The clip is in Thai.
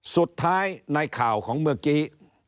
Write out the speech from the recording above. สุดท้ายในข่าวของเมื่อกี้